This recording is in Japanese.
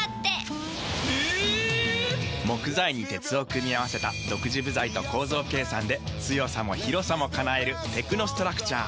木材に鉄を組み合わせた独自部材と構造計算で強さも広さも叶えるテクノストラクチャー。